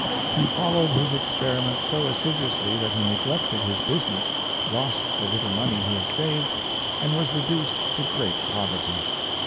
He followed his experiments so assiduously that he neglected his business, lost the little money he had saved, and was reduced to great poverty.